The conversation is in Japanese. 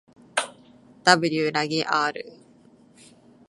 ｗ らげ ｒ